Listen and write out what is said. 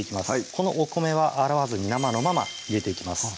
このお米は洗わずに生のまま入れていきます